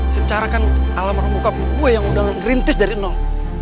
secara kan alam rumah bokap gue yang undangan green tea dari nol